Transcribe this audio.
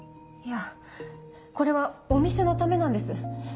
いやこれはお店のためなんです。